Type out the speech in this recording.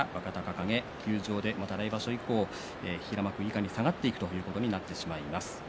また来場所以降、平幕以下に下がっていくということになってしまいます。